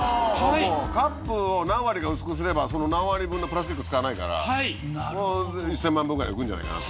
カップを何割か薄くすればその何割分のプラスチック使わないから１０００万円分ぐらい浮くんじゃないかなと。